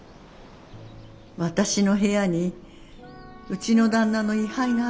「私の部屋にうちの旦那の遺灰がある。